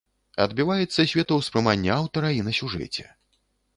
Адбіваецца светаўспрыманне аўтара і на сюжэце.